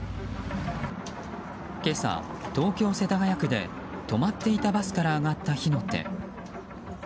今朝、東京・世田谷区で止まっていたバスから上がった火の手。